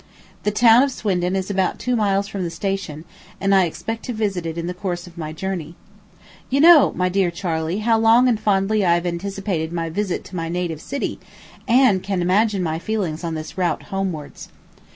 The town of Swindon is about two miles from the station, and I expect to visit it in the course of my journey. You know, my dear Charley, how long and fondly I have anticipated my visit to my native city, and can imagine my feelings on this route homewards.